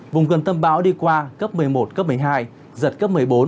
vùng gần tâm bão đi qua cấp một mươi một cấp một mươi hai giật cấp một mươi bốn